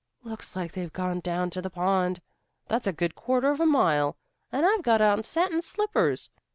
"Looks like they've gone down to the pond. That's a good quarter of a mile, and I've got on satin slippers."